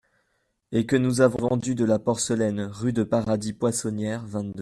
Et que nous avons vendu de la porcelaine rue de Paradis-Poissonnière, vingt-deux.